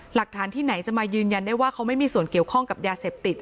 หลักฐานที่ไหนจะมายืนยันได้ว่าเขาไม่มีส่วนเกี่ยวข้องกับยาเสพติด